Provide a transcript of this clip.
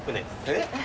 えっ？